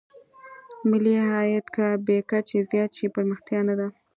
ملي عاید که بې کچې زیات شي پرمختیا نه ده.